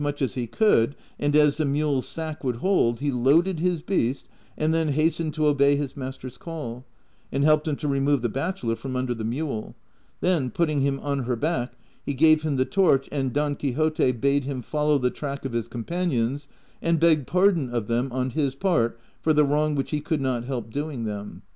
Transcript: ting together as much as lie could, and as the mule's sack would hold, he loaded his beast, and then hastened to obey his master's call, and helped him to remove the bachelor from under the mule ; then putting him on her back he gave him the torch, and Don Quixote bade him follow the track of his companions, and beg pardon of them on his part for the Avrong which he could not help doing them.